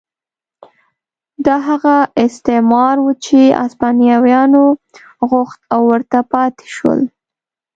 دا هغه استعمار و چې هسپانویانو غوښت او ورته پاتې شول.